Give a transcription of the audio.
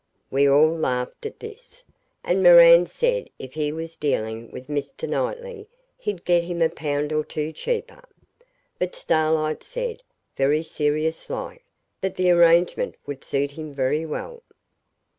We all laughed at this, and Moran said if he was dealing with Mr. Knightley he'd get him a pound or two cheaper. But Starlight said, very serious like, that the arrangement would suit him very well.